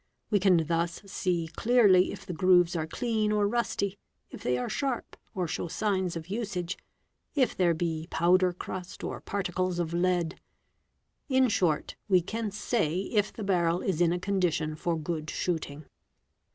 We can thus see clearly if the grooves are clean or rusty, if they are sharp or show signs of usage, if there be powder crust or particles of lead; in short, we can say if the — barrel is in a condition for good shooting.